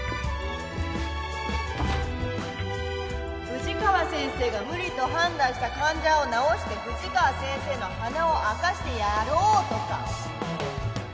富士川先生が無理と判断した患者を治して富士川先生の鼻を明かしてやろうとか。